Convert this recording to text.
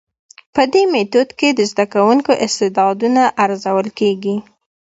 په دي ميتود کي د زده کوونکو استعدادونه ارزول کيږي.